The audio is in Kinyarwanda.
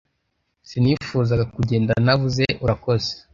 Sinifuzaga kugenda ntavuze urakoze.